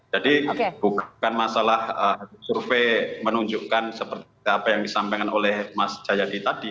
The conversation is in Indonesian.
jadi bukan masalah survei menunjukkan seperti apa yang disampaikan oleh mas jayadi tadi